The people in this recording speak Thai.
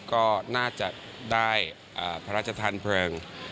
ก็น่าจะได้พระราชทานเพลิง